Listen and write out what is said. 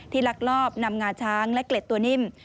ลักลอบนำงาช้างและเกล็ดตัวนิ่ม